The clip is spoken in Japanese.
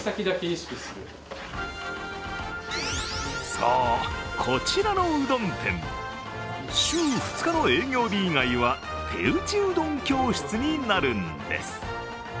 そう、こちらのうどん店、週２日の営業日以外は手打ちうどん教室になるんです。